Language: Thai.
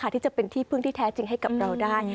ที่จะเป็นที่พึ่งที่แท้จริงให้กับเราได้